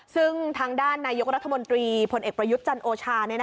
ซึ่งทางด้านนายกรุครัฐบลตรีพลเอกประยุชน์จันทร์โอชา